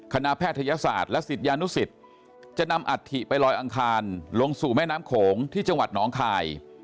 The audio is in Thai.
แพทยศาสตร์และศิษยานุสิตจะนำอัฐิไปลอยอังคารลงสู่แม่น้ำโขงที่จังหวัดน้องคาย